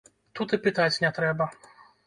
Тут і пытаць не трэба.